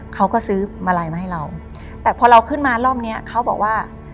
เขาก็ซื้อมาลัยมาให้เราแต่พอเราขึ้นมารอบเนี้ยเขาบอกว่า